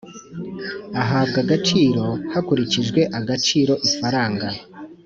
Uhabwa agaciro hakurikijwe agaciro ifaranga